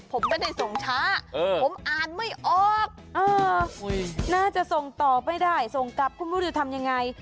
ผมไม่ได้ส่งช้าผมอ่านไม่ออกน่าจะส่งต่อไม่ได้ส่งกลับคุณไม่รู้จะทำยังไง